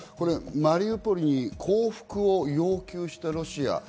マリウポリに降伏を要求したロシア。